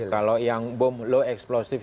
kalau yang low explosive